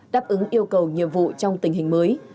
đáp ứng yêu cầu nhiệm vụ trong tình hình mới